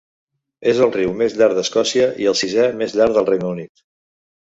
És el riu més llarg d'Escòcia i el sisè més llarg del Regne Unit.